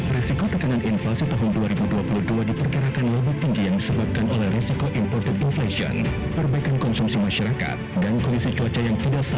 resiko tekanan inflasi tahun dua ribu dua puluh dua diperkirakan lebih tinggi yang disebabkan oleh resiko importer profesion perbaikan konsumsi masyarakat dan kondisi cuaca yang tidak sempur